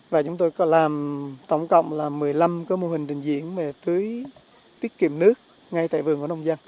và chúng tôi làm tổng cộng một mươi năm mô hình trình diễn về tưới tiết kiệm nước ngay tại vườn của nông dân